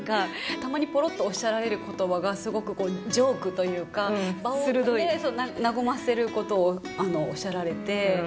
たまにぽろっとおっしゃられる言葉がすごくジョークというか場を和ませることをおっしゃられて。